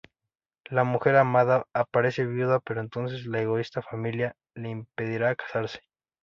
La mujer amada aparece viuda, pero entonces la egoísta familia le impedirá casarse.